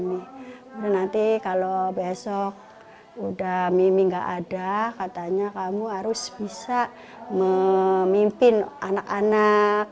kemudian nanti kalau besok udah mimi gak ada katanya kamu harus bisa memimpin anak anak